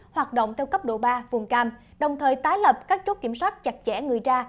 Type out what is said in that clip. hoạt động theo cấp độ ba đồng thời tái lập các chốt kiểm soát chặt chẽ người ra